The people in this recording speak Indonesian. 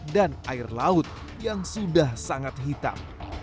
dan air laut yang sudah sangat hitam